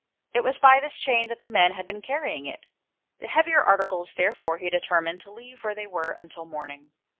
It was by this chain that the men had been carrying it. The heavier articles, therefore, he determined to leave where they were until morning.